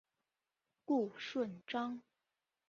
顾顺章。